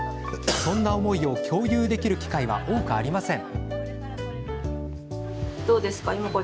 そんな思いを共有できる機会は多くありません。